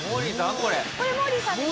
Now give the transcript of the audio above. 「これモーリーさんですよ」